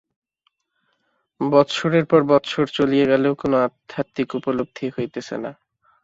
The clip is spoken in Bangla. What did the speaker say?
বৎসরের পর বৎসর চলিয়া গেলেও কোন আধ্যাত্মিক উপলব্ধি হইতেছে না।